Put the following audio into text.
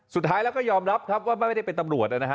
สุดท้ายแล้วก็ยอมรับครับว่าไม่ได้เป็นตำรวจนะฮะ